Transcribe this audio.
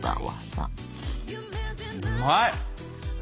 うまい！